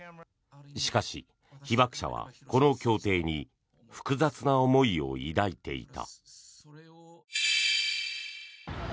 しかし、被爆者はこの協定に複雑な思いを抱いていた。